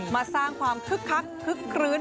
มาสร้างความคึกคักคึกคลื้น